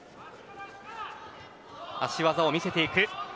足技を見せていく。